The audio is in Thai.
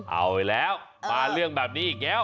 เอาอีกแล้วมาเรื่องแบบนี้อีกแล้ว